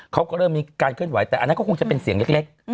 เขาก็เริ่มมีการเคลื่อนไหวแต่อันนั้นก็คงจะเป็นเสียงเล็ก